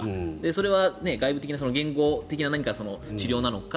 それは外部的な言語的な何かなのか